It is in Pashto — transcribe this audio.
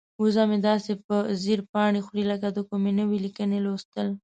وزه مې داسې په ځیر پاڼې خوري لکه د کومې نوې لیکنې لوستل.